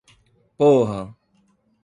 Porra!